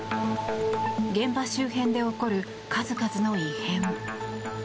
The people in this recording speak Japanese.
現場周辺で起こる数々の異変。